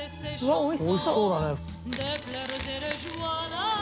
おいしそうだね。